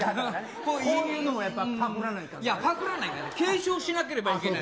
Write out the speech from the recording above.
こういうのもやっぱ、ぱくらないぱくらないかんって、継承しなければいけない。